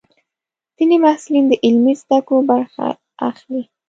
ځینې محصلین د عملي زده کړو برخه اخلي.